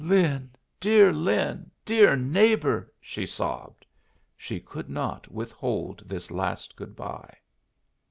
"Lin, dear Lin! dear neighbor!" she sobbed. She could not withhold this last good bye.